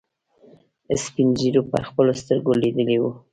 سپينږيرو په خپلو سترګو ليدلي وو.